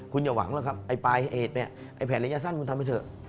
คุณอย่าหวังหรอกครับไอ้ปลายเหตุเนี่ยไอ้แผนระยะสั้นคุณทำไปเถอะ